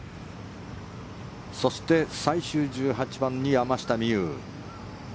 そして、最終１８番に山下美夢有。